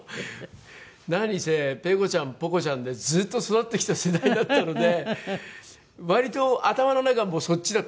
何せペコちゃんポコちゃんでずっと育ってきた世代だったので割と頭の中もうそっちだったんですよね。